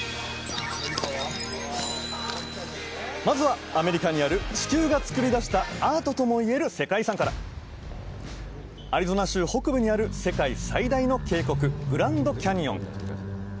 まずはアメリカにある地球がつくりだしたアートともいえる世界遺産からアリゾナ州北部にある世界最大の渓谷